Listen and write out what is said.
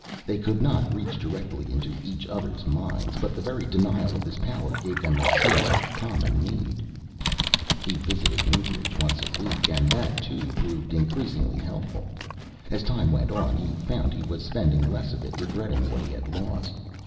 They could not reach directly into each other's minds but the very denial of this power gave them a sense of common need. He visited Newbridge once a week and that, too, proved increasingly helpful. As time went on, he found he was spending less of it regretting what he had lost.